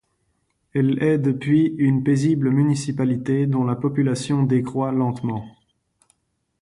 Elle est depuis une paisible municipalité dont la population décroît lentement.